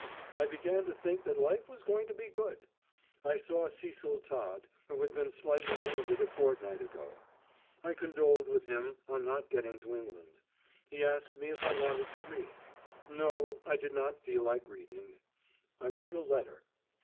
I began to think that life was going to be good. I saw Cecil Todd, who had been slightly wounded a fortnight ago. I condoled with him on not getting to England. He asked me if I wanted to read. No, I did not feel like reading. I wrote a letter.